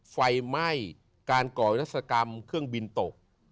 ไฟไหม้การก่อวิรัศกรรมเครื่องบินตก